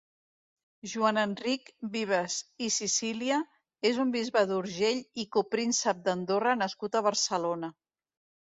Joan-Enric Vives i Sicília és un bisbe d'Urgell i copríncep d'Andorra nascut a Barcelona.